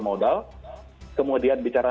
modal kemudian bicara